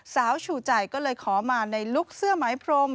ฉู่ใจก็เลยขอมาในลุคเสื้อไหมพรม